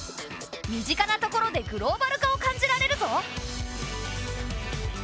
身近なところでグローバル化を感じられるぞ。